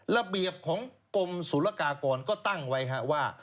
ระเบียบของกรมศุลกากรก็ตั้งไว้ว่า